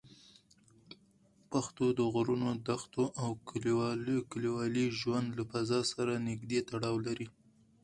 پښتو د غرونو، دښتو او کلیوالي ژوند له فضا سره نږدې تړاو لري.